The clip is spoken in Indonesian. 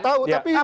tahu tapi itu hoax